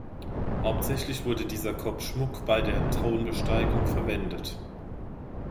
Hauptsächlich wurde dieser Kopfschmuck bei der Thronbesteigung verwendet.